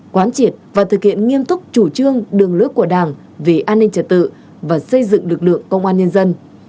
quán triệt và thực hiện nghiêm túc chủ trương đường lối của đảng về an ninh trật tự và xây dựng lực lượng công an nhân dân